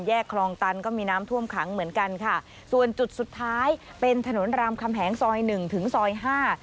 คลองตันก็มีน้ำท่วมขังเหมือนกันค่ะส่วนจุดสุดท้ายเป็นถนนรามคำแหงซอยหนึ่งถึงซอยห้า